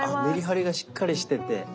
メリハリがしっかりしてて。